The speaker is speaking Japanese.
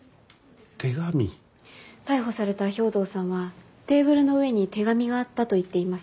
逮捕された兵藤さんはテーブルの上に手紙があったと言っています。